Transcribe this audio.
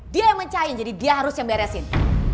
dia yang mencain jadi dia harus yang beresin